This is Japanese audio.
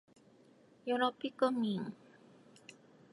よろぴくみん